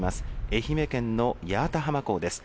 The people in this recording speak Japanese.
愛媛県の八幡浜港です。